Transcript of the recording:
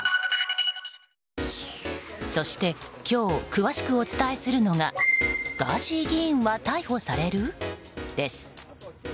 そして、今日詳しくお伝えするのがガーシー議員は逮捕される？です。